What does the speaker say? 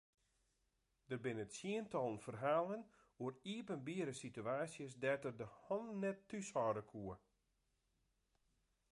Der binne tsientallen ferhalen oer iepenbiere situaasjes dêr't er de hannen net thúshâlde koe.